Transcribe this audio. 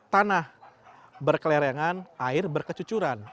tanah berkelereangan air berkecucuran